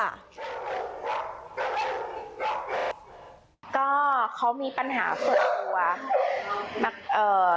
ก็เขามีปัญหาส่วนตัว